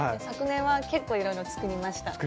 昨年は結構いろいろ作りました。